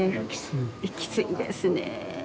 きついですね。